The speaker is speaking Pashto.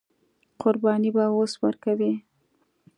قرباني به اوس ورکوي.